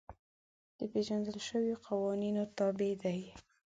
د پېژندل شویو قوانینو تابع دي.